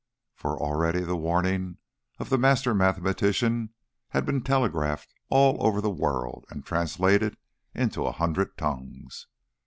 For already the warning of the master mathematician had been telegraphed all over the world, and translated into a hundred tongues.